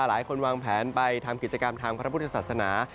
หลายคนวางแผนไปทำกิจกรรมทางพระพุทธศาสนา